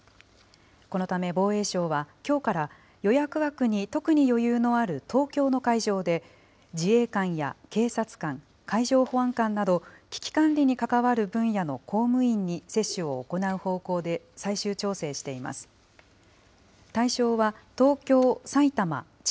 このため防衛省はきょうから、予約枠に特に余裕のある東京の会場で、自衛官や警察官、海上保安官など、危機管理に関わる分野の公務員に接種を行う方向で最終調整しています。